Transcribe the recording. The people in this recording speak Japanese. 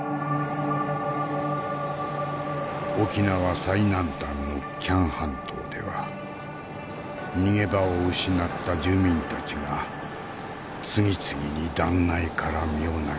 沖縄最南端の喜屋武半島では逃げ場を失った住民たちが次々に断崖から身を投げた。